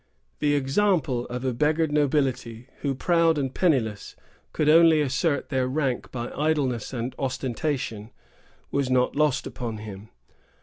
The example of a beggared nobility, who, proud and penniless, could only assert their rank by idleness and ostentation, was not lost upon him.